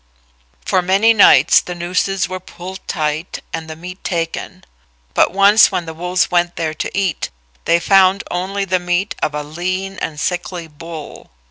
For many nights the nooses were pulled tight and the meat taken; but once when the wolves went there to eat they found only the meat of a lean and sickly bull.